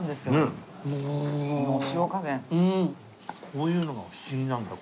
こういうのが不思議なんだ